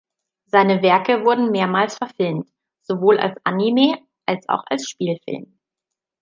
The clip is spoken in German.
Seine Werke wurden mehrmals verfilmt, sowohl als Anime als auch als Spielfilm.